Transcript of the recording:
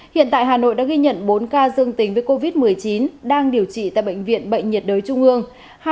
hiện tại hà nội đã ghi nhận bốn ca dương tính với covid một mươi chín đang điều trị tại bệnh viện bệnh nhiệt đới trung ương